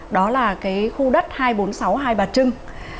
đó là cái khu đất hai trăm bốn mươi sáu hai bà trưng